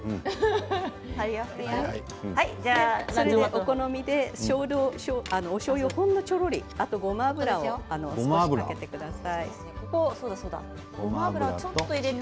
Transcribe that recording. お好みでおしょうゆをほんのちょっとあとは、ごま油をかけてください。